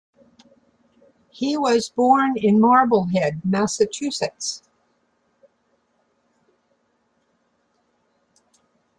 He was born in Marblehead, Massachusetts.